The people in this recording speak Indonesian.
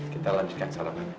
kita lanjutkan salamannya